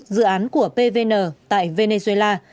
dự án của pvn tại venezuela